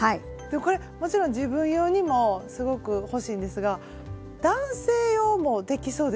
これもちろん自分用にもすごく欲しいんですが男性用もできそうですよね。